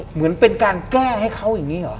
เหมือนเป็นการแก้ให้เขาอย่างนี้เหรอ